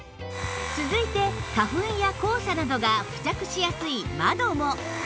続いて花粉や黄砂などが付着しやすい窓も